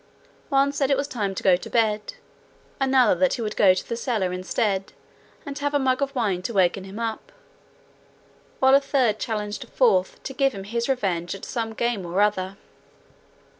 One said it was time to go to bed; another, that he would go to the cellar instead, and have a mug of wine to waken him up; while a third challenged a fourth to give him his revenge at some game or other.